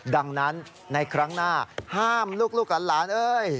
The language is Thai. ดังนั้นในครั้งหน้าห้ามลูกหลานเอ้ย